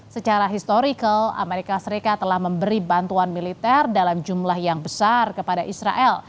secara historical amerika serikat telah memberi bantuan militer dalam jumlah yang besar kepada israel